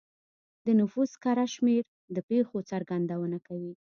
د نفوس کره شمېر د پېښو څرګندونه کوي.